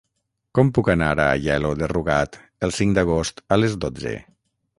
Com puc anar a Aielo de Rugat el cinc d'agost a les dotze?